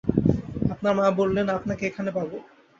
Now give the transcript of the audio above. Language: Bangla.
আপনার মা বললেন আপনাকে এখানে পাবো।